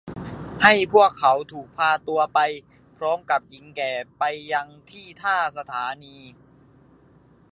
ให้พวกเขาถูกพาตัวไปพร้อมกับหญิงแก่ไปยังที่ท่าสถานี